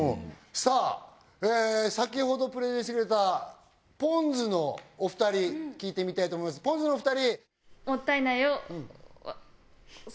さあ先ほどプレゼンしてくれたポンズのお二人聞いてみたいと思いますポンズのお二人。